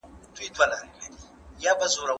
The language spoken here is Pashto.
زه اجازه لرم چي منډه ووهم!